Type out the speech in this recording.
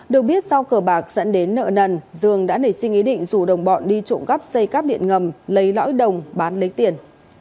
được biết sau cờ bạc dẫn đến nợ nần dương đã nảy sinh ý định rủ đồng bọn đi trộm cắp xây cắp điện ngầm lấy lõi đồng bán lấy tiền